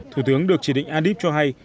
thủ tướng được chỉ định adib cho hay